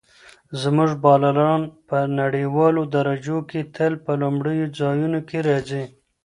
زموږ بالران په نړیوالو درجو کې تل په لومړیو ځایونو کې راځي.